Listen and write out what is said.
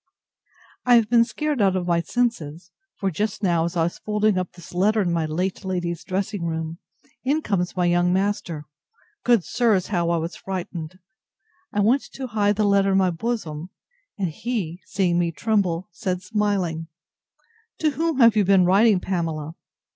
I have been scared out of my senses; for just now, as I was folding up this letter in my late lady's dressing room, in comes my young master! Good sirs! how was I frightened! I went to hide the letter in my bosom; and he, seeing me tremble, said, smiling, To whom have you been writing, Pamela?